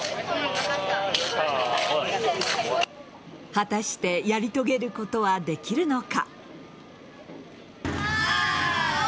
果たしてやり遂げることはできるのか。